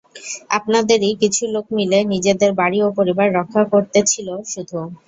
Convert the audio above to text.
আপনাদেরই কিছু লোক মিলে নিজেদের বাড়ি ও পরিবার রক্ষা করতেছিলো শুধু।